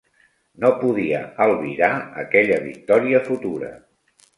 No podia albirar aquella victòria futura.